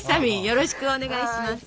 よろしくお願いします。